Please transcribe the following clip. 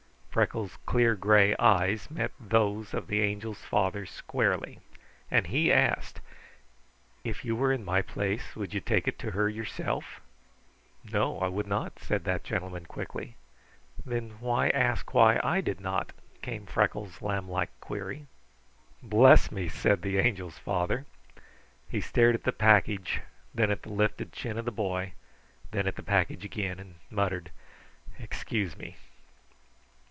Freckles' clear gray eyes met those of the Angel's father squarely, and he asked: "If you were in my place, would you take it to her yourself?" "No, I would not," said that gentleman quickly. "Then why ask why I did not?" came Freckles' lamb like query. "Bless me!" said the Angel's father. He stared at the package, then at the lifted chin of the boy, and then at the package again, and muttered, "Excuse me!"